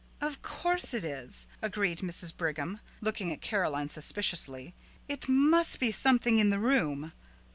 "Of course it is," agreed Mrs. Brigham, looking at Caroline suspiciously. "It must be something in the room."